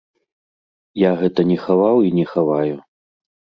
Я гэта не хаваў і не хаваю.